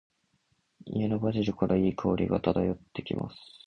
家のバジルから、良い香りが漂ってきます。